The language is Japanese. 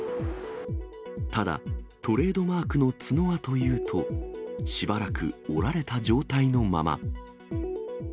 ただ、トレードマークの角はというと、しばらく折られた状態のまま。